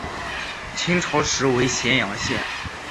秦朝时为咸阳县。